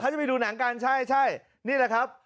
จะไปดูหนังกันใช่ใช่นี่แหละครับ